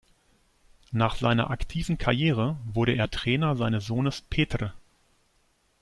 Nach seiner aktiven Karriere wurde er Trainer seines Sohnes Petr.